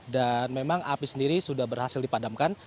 dan memang api sendiri sudah berhasil dipadamkan